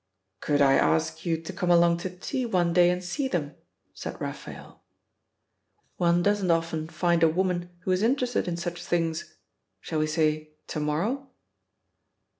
"Could I ask you to come along to tea one day and see them?" said Raphael. "One doesn't often find a woman who is interested in such things. Shall we say to morrow?"